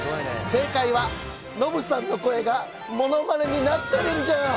正解はノブさんの声がモノマネになっとるんじゃ！